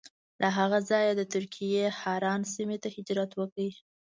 له هغه ځایه یې د ترکیې حران سیمې ته هجرت وکړ.